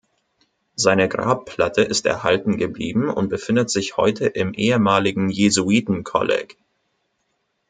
Seine Grabplatte ist erhalten geblieben und befindet sich heute im ehemaligen Jesuitenkolleg.